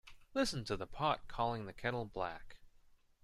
Listen to the pot calling the kettle black.